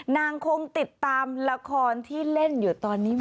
นางคงติดตามละครที่เล่นอยู่ตอนนี้ไหม